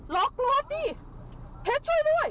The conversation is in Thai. รอบรถสิเผ็ดช่วยด้วย